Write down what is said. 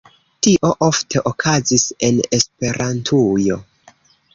Tio ofte okazis en Esperantujo.